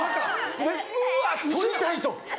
で「うわ撮りたい！」と。